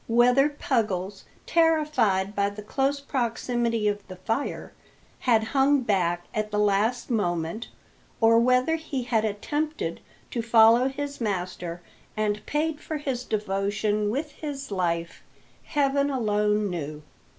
Whether Puggles, terrified by the close proximity of the fire, had hung back at the last moment, or whether he had attempted to follow his master and paid for his devotion with his life, heaven alone knew.